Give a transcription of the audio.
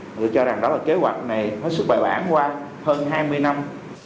mình cho rằng đó là kế hoạch này hết sức bày bản qua hơn hai mươi năm